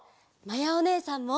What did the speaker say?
まやおねえさんも！